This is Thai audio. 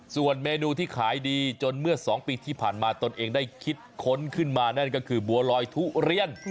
ส่วนเมนูที่ขายดีจนเมื่อ๒ปีที่ผ่านมาตนเองได้คิดค้นขึ้นมานั่นก็คือบัวลอยทุเรียน